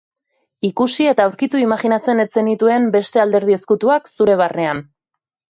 Ikusi eta aurkitu imajinatzen ez zenituen beste alderdi ezkutuak zure barnean.